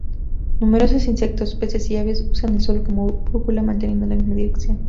Numerosos insectos, peces y aves usan el sol como brújula manteniendo la misma dirección.